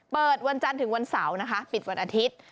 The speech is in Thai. เปิดวันจันทร์ถึงวันเสาร์นะคะปิดวันอาทิตย์